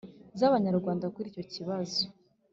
z'abanyarwanda kuri icyo kibazo,